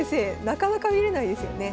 なかなか見れないですよね。